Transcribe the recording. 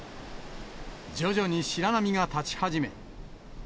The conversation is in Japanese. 徐々に白波が立ち始め。